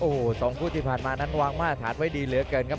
โอ้โห๒คู่ที่ผ่านมานั้นวางมาตรฐานไว้ดีเหลือเกินครับ